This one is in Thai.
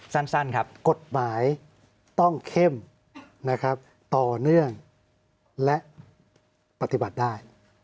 สั้นครับกฎหมายต้องเข้มนะครับต่อเนื่องและปฏิบัติได้